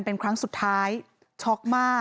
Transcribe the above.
ปี๖๕วันเช่นเดียวกัน